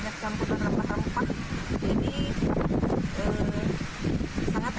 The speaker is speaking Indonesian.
jadi sangat enak ya pokoknya